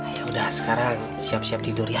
ya udah sekarang siap siap tidur ya